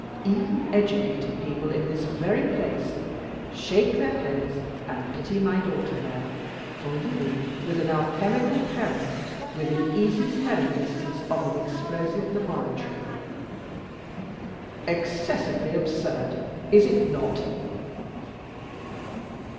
Even educated people in this very place shake their heads and pity my daughter there for living with an alchemical parent, within easy smelling distance of an explosive laboratory. Excessively absurd, is it not?"